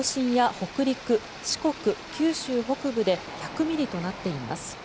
北陸、四国九州北部で１００ミリとなっています。